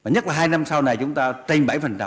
nhất là hai năm sau này chúng ta trên bảy